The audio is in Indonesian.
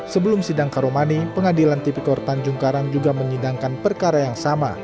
sebelum sidang karomani pengadilan tipi khor tanjung karang juga menyinggangkan perkara yang sama